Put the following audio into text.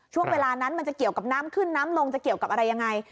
ช่วงเวลานั้นมันจะเกี่ยวกับน้ำขึ้นน้ำลงจะเกี่ยวกับอะไรยังไง